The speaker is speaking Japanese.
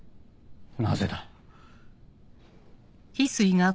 なぜだ？